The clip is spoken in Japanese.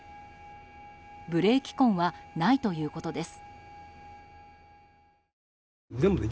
ブレーキ痕はないということです。